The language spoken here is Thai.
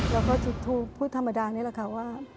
แล้วก็ถูกพูดธรรมดานี่แหละค่ะว่า